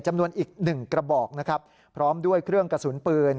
จำนวนอีก๑กระบอกนะครับพร้อมด้วยเครื่องกระสุนปืน